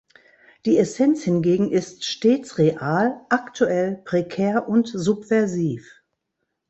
Die Essenz hingegen ist stets real, aktuell, prekär und subversiv.